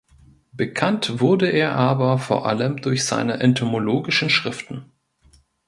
Bekannt wurde er aber vor allem durch seine entomologischen Schriften.